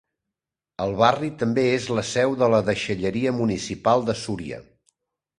El barri també és la seu de la deixalleria municipal de Súria.